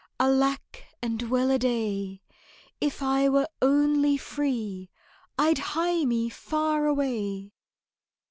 Alack and well a day! If I were only free I'd hie me far away!"